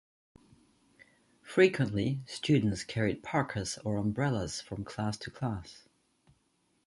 Frequently, students carried parkas or umbrellas from class to class.